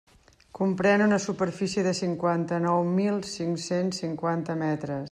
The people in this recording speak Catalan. Comprèn una superfície de cinquanta-nou mil cinc-cents cinquanta metres.